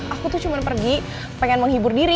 aku tuh cuma pergi pengen menghibur diri